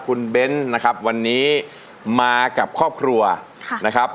คุณเบ้นนะครับวันนี้มากับครอบครัวนะครับ